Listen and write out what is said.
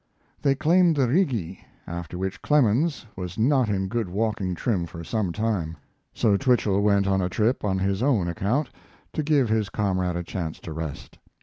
They climbed the Rigi, after which Clemens was not in good walking trim for some time; so Twichell went on a trip on his own account, to give his comrade a chance to rest.